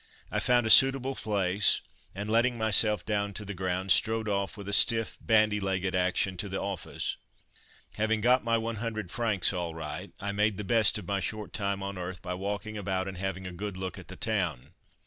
I found a suitable place and, letting myself down to the ground, strode off with a stiff bandy legged action to the office. Having got my 100 francs all right I made the best of my short time on earth by walking about and having a good look at the town.